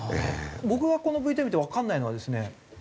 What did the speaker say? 僕はこのＶＴＲを見てわかんないのはですね